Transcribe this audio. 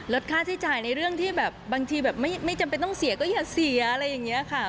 ค่าใช้จ่ายในเรื่องที่แบบบางทีแบบไม่จำเป็นต้องเสียก็อย่าเสียอะไรอย่างนี้ค่ะ